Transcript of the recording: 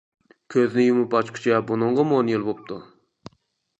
كۆزنى يۇمۇپ ئاچقىچە بۇنىڭغىمۇ ئون يىل بوپتۇ.